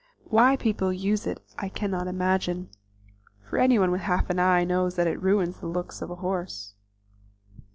Why people use it I cannot imagine, for anyone with half an eye knows that it ruins the looks of a horse.